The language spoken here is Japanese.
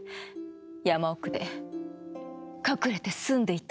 山奥で隠れて住んでいたの。